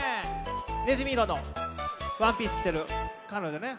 ねずみいろのワンピースきてるかのじょね。